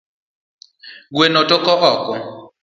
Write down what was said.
Gueno toko oko